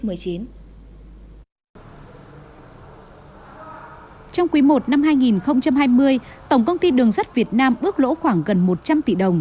trong quý i năm hai nghìn hai mươi tổng công ty đường sắt việt nam bước lỗ khoảng gần một trăm linh tỷ đồng